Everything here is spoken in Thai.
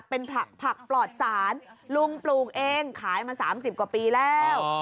เป็นผักปลอดศาลลุงปลูกเองขายมา๓๐กว่าปีแล้ว